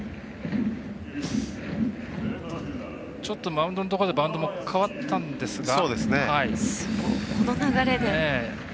マウンドのところでバウンドも変わったんですが。